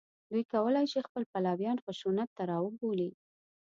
دوی کولای شي خپل پلویان خشونت ته راوبولي